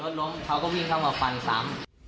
รถล้มเขาก็วิ่งเข้ามาฟันซ้ำ